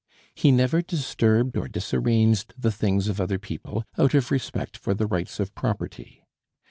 He never disturbed or disarranged the things of other people, out of respect for the rights of property.